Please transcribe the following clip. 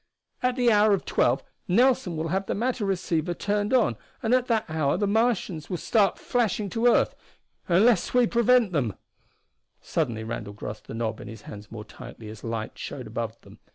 At the hour of twelve Nelson will have the matter receiver turned on and at that hour the Martian will start flashing to earth unless we prevent!" Suddenly Randall grasped the knob in his hands more tightly as light showed above them.